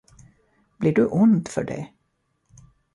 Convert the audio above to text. Blir du ond för det?